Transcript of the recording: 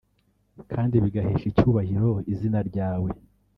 kandi bigahesha icyubahiro Izina ryawe